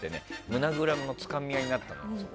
胸ぐらのつかみ合いになったの。